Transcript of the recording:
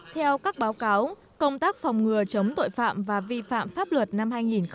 theo các báo cáo công tác phòng ngừa chống tội phạm và vi phạm pháp luật năm hai nghìn một mươi chín